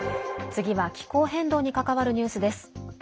次は気候変動に関わるニュースです。